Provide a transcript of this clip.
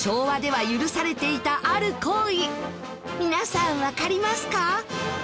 皆さんわかりますか？